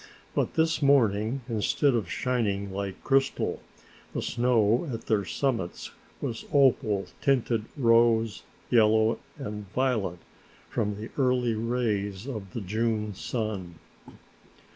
But this morning, instead of shining like crystal, the snow at their summits was opal tinted rose, yellow and violet from the early rays of the June sun.